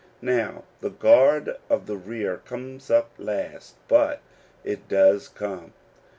Now the guard of the rear comes up last, but it does come.